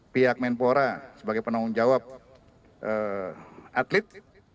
pihak menpora sebagai penanggung jawab atlet